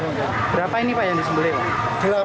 berapa ini pak yang disembelih